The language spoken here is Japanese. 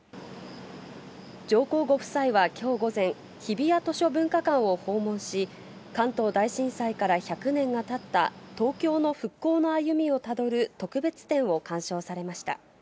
上皇ご夫妻はきょう午前、日比谷図書文化館を訪問し、関東大震災から１００年がたった東京の復興の歩みをたどる特別展を観賞されました。